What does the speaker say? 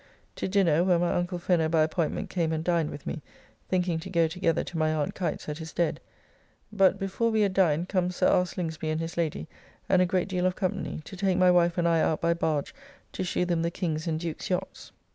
To dinner, where my uncle Fenner by appointment came and dined with me, thinking to go together to my aunt Kite's that is dead; but before we had dined comes Sir R. Slingsby and his lady, and a great deal of company, to take my wife and I out by barge to shew them the King's and Duke's yachts.